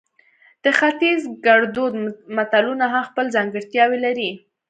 د ختیز ګړدود متلونه هم خپل ځانګړتیاوې لري